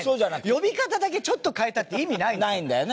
呼び方だけちょっと変えたって意味ないんですよ。